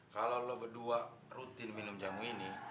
kalau lo berdua rutin minum jamu ini